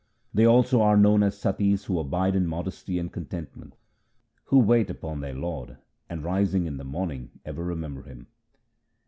They also are known as Satis who abide in modesty and contentment ; Who wait upon their Lord and rising in the morning ever remember Him.